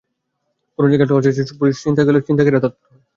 কোনো জায়গায় টহল শেষ করে পুলিশ চলে গেলে ছিনতাইকারীরা তৎপর হয়।